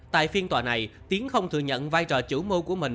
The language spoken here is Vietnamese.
tại phiên tòa này tiến không thừa nhận vai trò chủ mưu của mình